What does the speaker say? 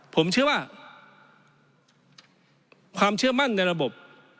ผมเชื่อว่าความเชื่อมั่นในระบบ